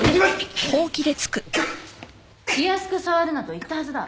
気安く触るなと言ったはずだ。